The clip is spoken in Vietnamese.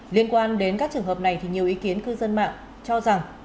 liên quan đến các trường hợp này thì nhiều ý kiến cư dân mạng cho rằng